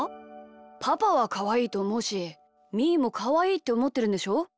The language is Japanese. パパはかわいいとおもうしみーもかわいいっておもってるんでしょ？